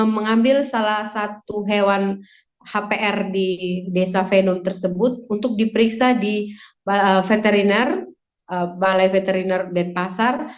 mengambil salah satu hewan hpr di desa venue tersebut untuk diperiksa di balai veteriner denpasar